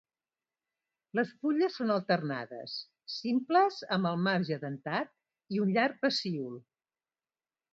Les fulles són alternades, simples amb el marge dentat i un llarg pecíol.